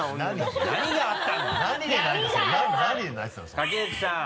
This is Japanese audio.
垣内さん！